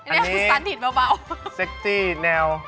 อันนี้ซักซี่แนว